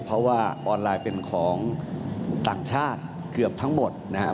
เพราะว่าออนไลน์เป็นของต่างชาติเกือบทั้งหมดนะครับ